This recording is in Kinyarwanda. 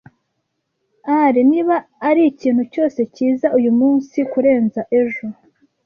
Ari, niba arikintu cyose, cyiza uyu munsi kurenza ejo.